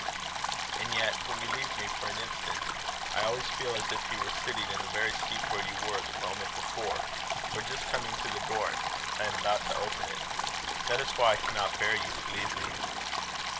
"And yet when you leave me for an instant, I always feel as if he were sitting in the very seat where you were the moment before, or just coming to the door and about to open it. That is why I cannot bear you to leave me."